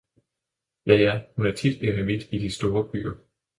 ja, ja – hun er tit eremit i de store byer!